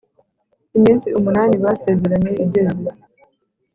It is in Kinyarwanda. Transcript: iminsi munani basezeranye igeze,